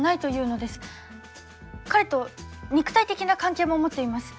彼と肉体的な関係も持っています。